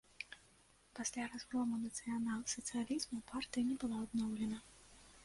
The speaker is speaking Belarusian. Пасля разгрому нацыянал-сацыялізму партыя не была адноўлена.